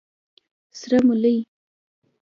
🫜 سره مولي